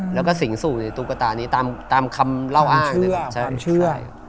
แล้วก็สิงสู่ในตุ๊กตานี้ตามคำเล่าอ้างความเชื่อ